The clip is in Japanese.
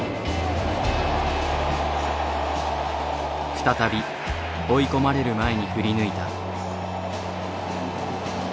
再び追い込まれる前に振り抜いた。